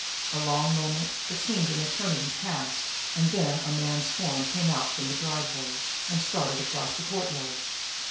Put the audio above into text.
A long moment, that seemed an eternity, passed, and then a man's form came out from the driveway, and started across the courtyard.